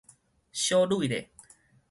小䉪咧